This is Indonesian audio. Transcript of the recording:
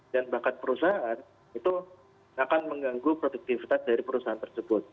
dan bahkan perusahaan itu akan mengganggu produktivitas dari perusahaan tersebut